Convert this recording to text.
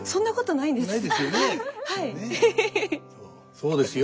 そうですよ。